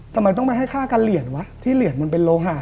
ทำไมต้องไปให้ค่าการเหรียญวะที่เหรียญมันเป็นโลหะ